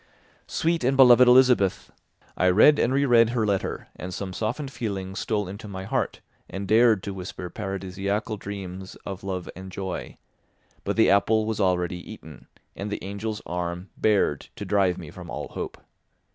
Sweet and beloved Elizabeth! I read and reread her letter, and some softened feelings stole into my heart and dared to whisper paradisiacal dreams of love and joy; but the apple was already eaten, and the angel's arm bared to drive me from all hope.